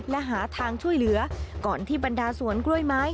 และหาทางช่วยเหลือก่อนที่บรรดาสวนกล้วยไม้